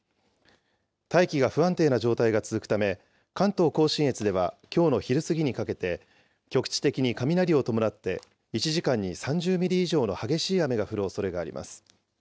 大気が不安定な状態が続くため、関東甲信越ではきょうの昼過ぎにかけて、局地的に雷を伴って、１時間に３０ミリ以上の激しい雨が降るおそれがあります。